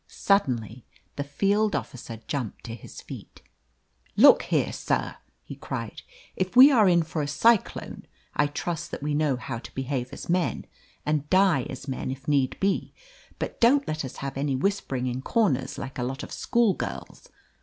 Suddenly the field officer jumped to his feet. "Look here, sir!" he cried. "If we are in for a cyclone, I trust that we know how to behave as men and die as men, if need be! But don't let us have any whispering in corners, like a lot of schoolgirls.